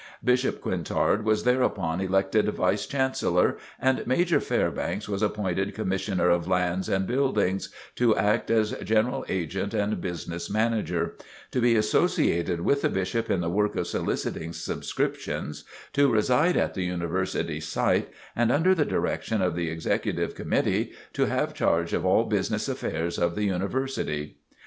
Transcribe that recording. Bishop Quintard was thereupon elected Vice Chancellor and Major Fairbanks was appointed Commissioner of Lands and Buildings to act as General Agent and Business Manager; to be associated with the Bishop in the work of soliciting subscriptions; to reside at the University site; and, under the direction of the Executive Committee, to have charge of all business affairs of the University.